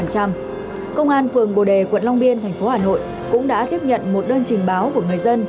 công an phường bồ đề quận long biên thành phố hà nội cũng đã tiếp nhận một đơn trình báo của người dân